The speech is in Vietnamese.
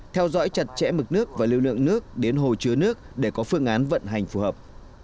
theo dõi chặt chẽ mực nước và lưu lượng nước đến hồ chứa nước để có phương án vận hành phù hợp